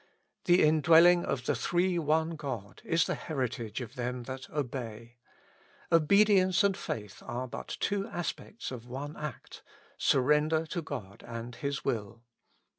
The indwell ing of the Three one God is the heritage of them that obey. Obedience and faith are but two aspects of one act, — surrender to God and His will.